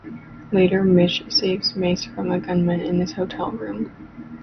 Later, Mitch saves Mace from a gunman in his hotel room.